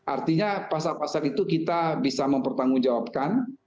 artinya pasal pasal itu kita bisa mempertanggungjawabkan